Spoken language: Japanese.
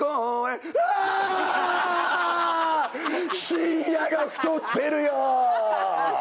真矢が太ってるよ！